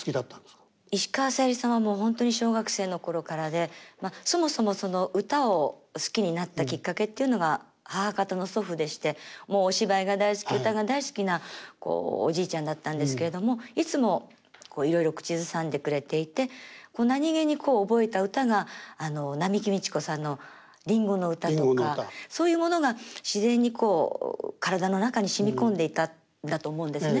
石川さゆりさんはもう本当に小学生の頃からでそもそも歌を好きになったきっかけっていうのが母方の祖父でしてもうお芝居が大好き歌が大好きなおじいちゃんだったんですけれどもいつもいろいろ口ずさんでくれていて何気に覚えた歌が並木路子さんの「リンゴの唄」とかそういうものが自然に体の中にしみこんでいたんだと思うんですね。